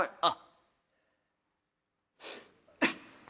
あっ！